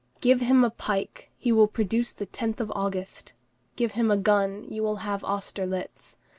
Give him a pike, he will produce the 10th of August; give him a gun, you will have Austerlitz.